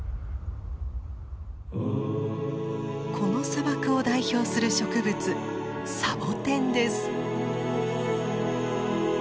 この砂漠を代表する植物サボテンです。